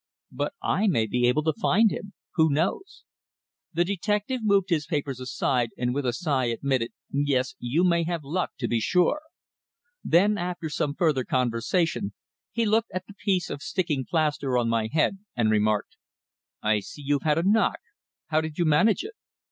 "But I may be able to find him. Who knows?" The detective moved his papers aside, and with a sigh admitted: "Yes, you may have luck, to be sure." Then, after some further conversation, he looked at the piece of sticking plaster on my head and remarked: "I see you've had a knock. How did you manage it?"